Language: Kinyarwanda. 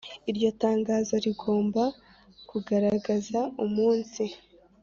Iryo tangazo rigomba kugaragaza umunsi